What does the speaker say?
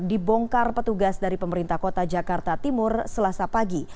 dibongkar petugas dari pemerintah kota jakarta timur selasa pagi